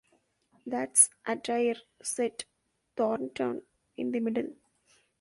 "That's Adair," said Thornton, "in the middle."